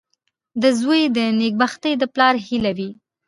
• د زوی نېکبختي د پلار هیله وي.